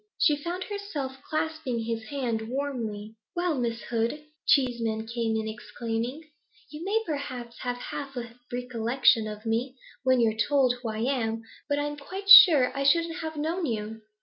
She found herself clasping his hand warmly. 'Well, Miss Hood,' Cheeseman came in exclaiming, 'you may perhaps have half a recollection of me, when you're told who I am, but I'm quite sure I shouldn't have known you.